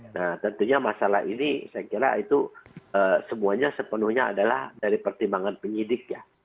nah tentunya masalah ini saya kira itu semuanya sepenuhnya adalah dari pertimbangan penyidik ya